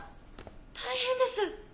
大変です。